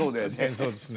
そうですね。